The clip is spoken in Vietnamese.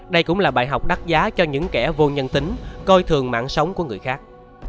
đây cũng là bài học đắt giá cho những kẻ vô nhân tính coi thường mạng sống của người khác